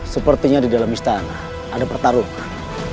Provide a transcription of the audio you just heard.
sepertinya di dalam istana ada pertaruhan